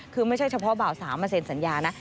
คือไม่ใช่เฉพาะบ่าว๓มาเซ็นสัญญานะ